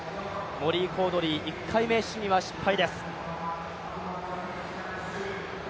モリー・コードリー、１回目、試技は失敗です。